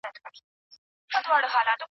غوړه مال به یو تر بل مخ کي کېدله